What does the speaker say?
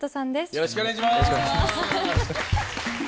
よろしくお願いします。